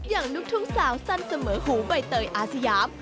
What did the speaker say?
ลูกทุ่งสาวสั้นเสมอหูใบเตยอาสยาม